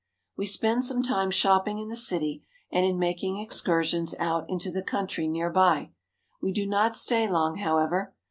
We spend some time shopping in the city and in mak ing excursions out into the country near by. We do not stay long, however.